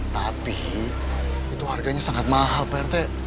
tapi itu harganya sangat mahal pak rt